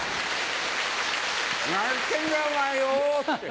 「何してんだお前よ」つって。